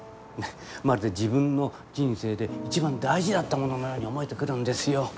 まるで自分の人生で一番大事だったもののように思えてくるんですよ。